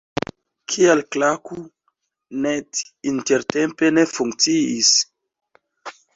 Kial Klaku.net intertempe ne funkciis?